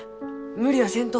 無理はせんと。